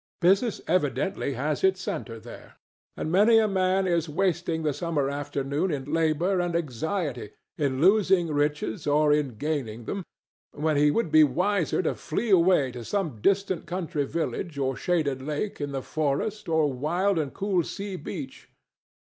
Business evidently has its centre there, and many a man is wasting the summer afternoon in labor and anxiety, in losing riches or in gaining them, when he would be wiser to flee away to some pleasant country village or shaded lake in the forest or wild and cool sea beach.